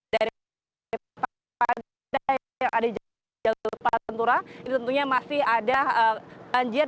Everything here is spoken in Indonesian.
dari jalan jalan di jalan jalan lepas pantura ini tentunya masih ada banjir